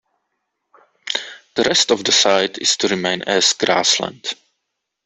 The rest of the site is to remain as grassland.